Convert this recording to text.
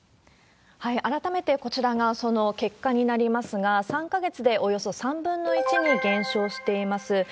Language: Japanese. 改めてこちらがその結果になりますが、３か月でおよそ３分の１に減少しています。